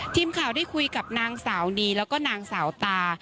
ทีมข่าวได้คุยกับนางสาวดีแล้วก็นางสาวตา